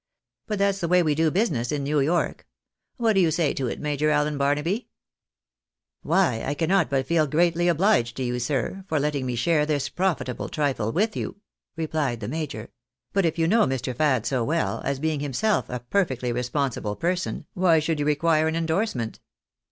But that's the way we do business in New York. What do you say to it. Major Allen Barnaby ?"" Why, I cannot but feel greatly obhged to you, sir, for letting me share this profitable trifle with you," replied the major. " But if you know Mr. Fad so well, as being himself a perfectly responsible person, why should you require an endorsement?